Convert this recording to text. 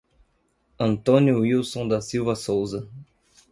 Antônio Ilson da Silva Souza